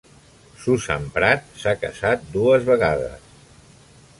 Susan Pratt s'ha casat dues vegades.